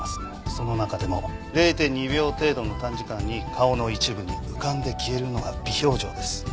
その中でも０．２秒程度の短時間に顔の一部に浮かんで消えるのが微表情です。